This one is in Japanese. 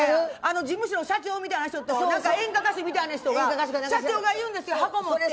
事務所の社長みたいな人と演歌歌手みたいな人が社長が言うんです箱持って。